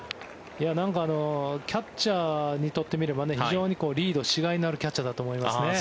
キャッチャーにとってみれば非常にリードしがいのあるキャッチャーだと思いますね。